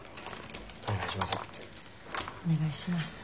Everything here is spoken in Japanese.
お願いします。